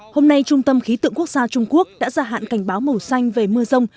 hôm nay trung tâm khí tượng quốc gia trung quốc đã ra hạn cảnh báo màu xanh về mưa rông